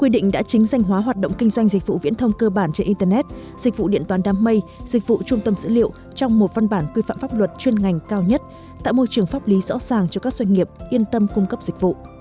định đã chính danh hóa hoạt động kinh doanh dịch vụ viễn thông cơ bản trên internet dịch vụ điện toán đám mây dịch vụ trung tâm dữ liệu trong một văn bản quy phạm pháp luật chuyên ngành cao nhất tạo môi trường pháp lý rõ ràng cho các doanh nghiệp yên tâm cung cấp dịch vụ